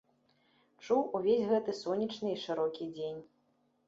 Чуў увесь гэты сонечны і шырокі дзень.